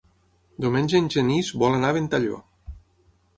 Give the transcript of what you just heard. Diumenge en Genís vol anar a Ventalló.